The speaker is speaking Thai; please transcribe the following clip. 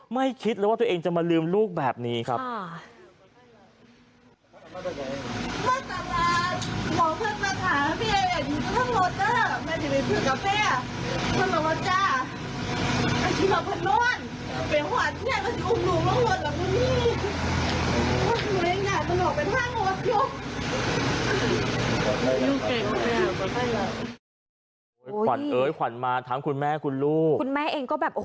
คิดเลยว่าตัวเองจะมาลืมลูกแบบนี้ครับ